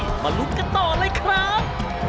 มาลุ้นกันต่อเลยครับ